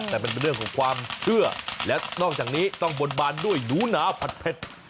แต่มันเป็นเรื่องของความเชื่อและนอกจากนี้ต้องบนบานด้วยหนูหนาวผัดเผ็ด